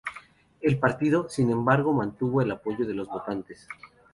El partido, sin embargo, mantuvo el apoyo de los votantes.